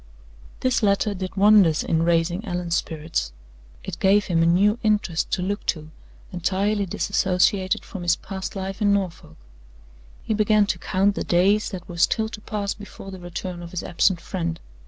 This letter did wonders in raising Allan's spirits. It gave him a new interest to look to, entirely disassociated from his past life in Norfolk. He began to count the days that were still to pass before the return of his absent friend.